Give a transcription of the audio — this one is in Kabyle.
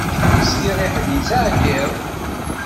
Sliɣ i ḥedd yettɛeyyiḍ.